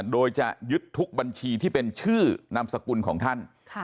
โดยจะยึดทุกบัญชีที่เป็นชื่อนามสกุลของท่าน